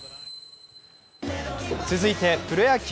続いてプロ野球。